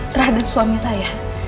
terhadap suami saya